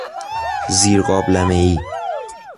زیر قابلمهای